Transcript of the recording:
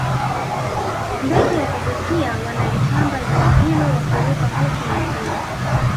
ndege wa kuvutia wanalipamba ziwa hilo wakiruka huku na kule